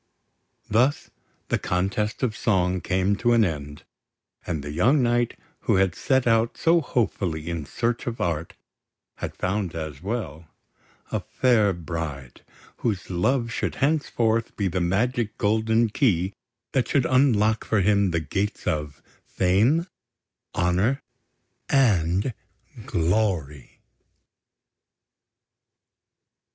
Thus the Contest of Song came to an end; and the young knight who had set out so hopefully in search of Art, had found as well a fair bride, whose love should henceforth be the magic golden key that should unlock for him the gates of Fame, Honour, and Glory.